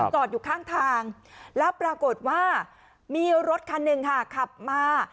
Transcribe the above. จอดอยู่ข้างทางแล้วปรากฏว่ามีรถคันหนึ่งค่ะขับมา